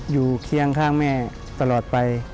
เคียงข้างแม่ตลอดไป